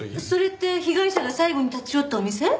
それって被害者が最後に立ち寄ったお店？